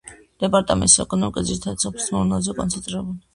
დეპარტამენტის ეკონომიკა ძირითადად სოფლის მეურნეობაზეა კონცენტრირებული.